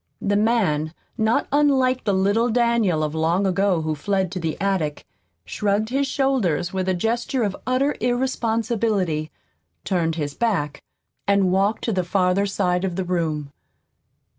The man, not unlike the little Daniel of long ago who fled to the attic, shrugged his shoulders with a gesture of utter irresponsibility, turned his back and walked to the farther side of the room.